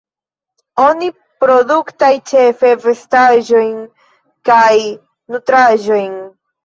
Oni produktaj ĉefe vestaĵojn kaj nutraĵojn.